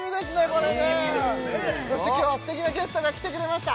これねそして今日は素敵なゲストが来てくれました